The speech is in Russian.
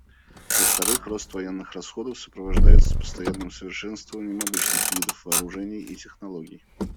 Во-вторых, рост военных расходов сопровождается постоянным совершенствованием обычных видов вооружений и технологий.